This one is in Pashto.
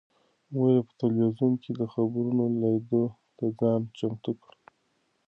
مور یې په تلویزون کې د خبرونو لیدلو ته ځان چمتو کړ.